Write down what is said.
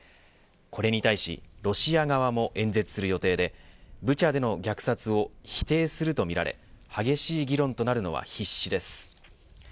これに対しロシア側も演説する予定でブチャでの虐殺を否定するとみられ激しい議論となるのは必至です。